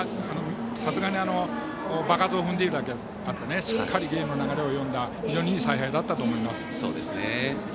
さすがに場数を踏んでいるだけあってしっかりゲームの流れを読んだ非常にいい采配だったと思います。